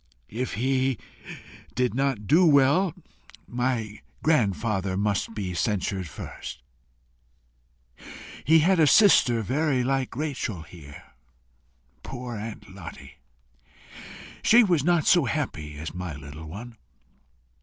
If he did not do well, my grandfather must be censured first. He had a sister very like Rachel here. Poor Aunt Lottie! She was not so happy as my little one.